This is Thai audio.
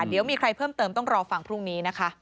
เดี๋ยวมีใครเพิ่มเติมต้องรอฟังพรุ่งนี้นะคะ